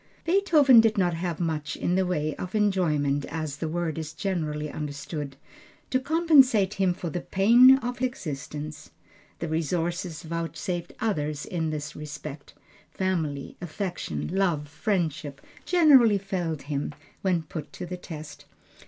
Beethoven did not have much in the way of enjoyment, as the word is generally understood, to compensate him for the pain of existence. The resources vouchsafed others in this respect, family affection, love, friendship, generally failed him when put to the test.